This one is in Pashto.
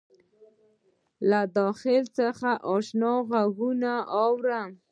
له داخل څخه آشنا غــــــــــږونه اورم